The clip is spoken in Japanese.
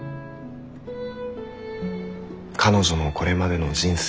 彼女のこれまでの人生